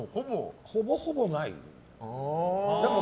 ほぼほぼないね。